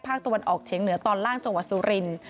ตะวันออกเฉียงเหนือตอนล่างจังหวัดสุรินทร์